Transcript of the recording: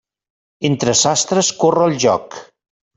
Entre sastres corre el joc.